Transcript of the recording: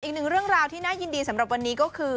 อีกหนึ่งเรื่องราวที่น่ายินดีสำหรับวันนี้ก็คือ